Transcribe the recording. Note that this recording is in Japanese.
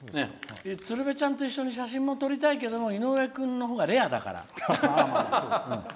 鶴瓶ちゃんと一緒に写真撮りたいけども井上君のほうがレアだから。